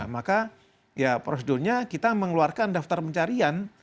maka ya prosedurnya kita mengeluarkan daftar pencarian